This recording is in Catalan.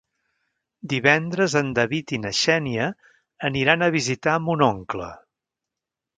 Divendres en David i na Xènia aniran a visitar mon oncle.